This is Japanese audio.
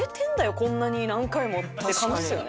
こんなに何回もって感じですよね。